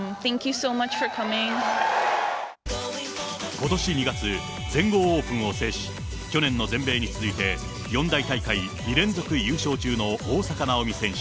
ことし２月、全豪オープンを制し、去年の全米に続いて、四大大会２連続優勝中の大坂なおみ選手。